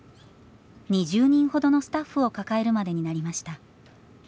２０人ほどのスタッフを抱えるまでになりました。